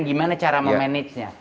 gimana cara memanagenya